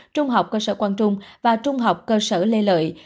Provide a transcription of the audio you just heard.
trung học cơ sở quang trung và trung học cơ sở lê lợi